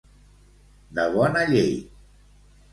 De bona llei.